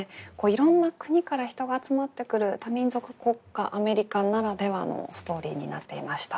いろんな国から人が集まってくる多民族国家アメリカならではのストーリーになっていました。